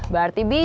berarti bisa tuh